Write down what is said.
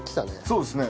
そうですね。